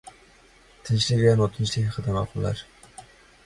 Tinchlik va notinchlik haqida maqollar.